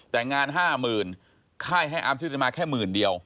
แต่งาน๕๐๐๐๐ค่ายให้อามชุธิมาแค่๑๐๐๐๐เดียว